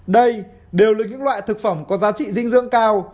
đây đều là những loại thực phẩm có giá trị dinh dưỡng cao